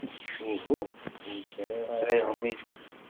Uhu, ur sɛiɣ ara aɣmis.